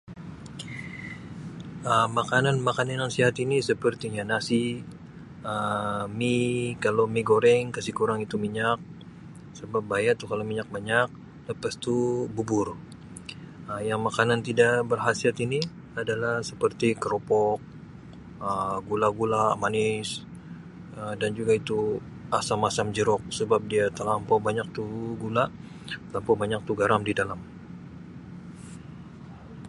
Um Makanan makanan yang sihat ini sepertinya nasi Um mi Um kalau mi goreng kasih kurang itu minyak sebab bahaya tu minyak banyak lepas tu bubur Um yang makanan tidak berkhasiat ini adalah seperti keropok Um gula-gula manis Um dan juga itu asam asam jeruk sebab dia telampau banyak tu gula telampau banyak tu garam di dalam.